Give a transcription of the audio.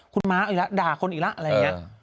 คุณม้าอีกแล้วด่าคนอีกแล้วอะไรอย่างนี้